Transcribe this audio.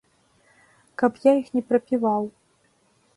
Каб я іх не прапіваў.